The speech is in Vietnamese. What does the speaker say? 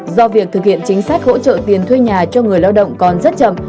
do việc thực hiện chính sách hỗ trợ tiền thuê nhà cho người lao động còn rất chậm